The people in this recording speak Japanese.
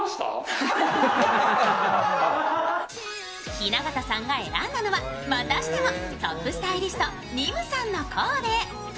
雛形さんが選んだのは、またしてもトップスタイリストのＮＩＭＵさんのコーデ。